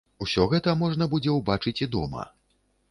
Усё гэта можна будзе ўбачыць і дома.